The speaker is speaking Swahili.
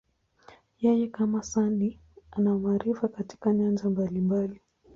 Yeye, kama Sydney, ana maarifa katika nyanja mbalimbali.